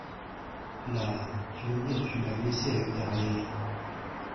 La ! tu vois bien, tu l'as blessé avec tes railleries.